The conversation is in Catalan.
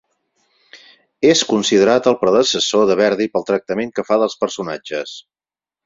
És considerat el predecessor de Verdi pel tractament que fa dels personatges.